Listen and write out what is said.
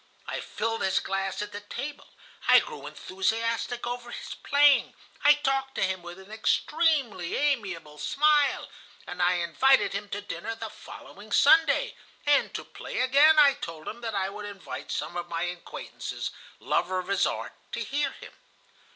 I filled his glass at the table, I grew enthusiastic over his playing, I talked to him with an extremely amiable smile, and I invited him to dinner the following Sunday, and to play again. I told him that I would invite some of my acquaintances, lovers of his art, to hear him.